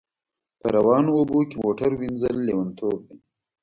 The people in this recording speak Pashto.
په روانو اوبو کښی موټر وینځل لیونتوب دی